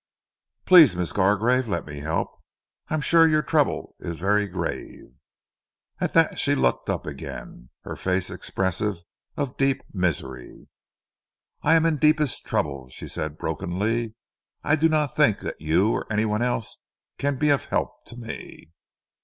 "Please, Miss Gargrave. Let me help. I am sure your trouble is very grave." At that she looked up again, her face expressive of deep misery. "I am in deepest trouble," she said brokenly, "I do not think that you or any one else can be of help to me."